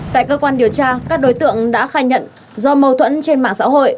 tại cơ quan điều tra các đối tượng đã khai nhận do mâu thuẫn trên mạng xã hội